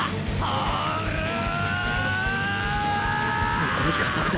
すごい加速だ。